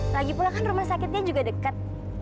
lagipula kan rumah sakitnya juga deket